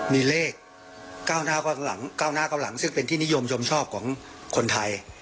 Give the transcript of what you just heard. มีเลข๙หน้าเก้าหลังซึ่งเป็นที่นิยมยมชอบของคนไทย